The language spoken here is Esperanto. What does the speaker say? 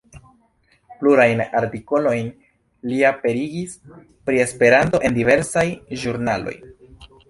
Plurajn artikolojn li aperigis pri Esperanto en diversaj ĵurnaloj.